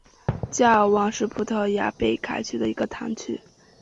加尔旺是葡萄牙贝雅区的一个堂区。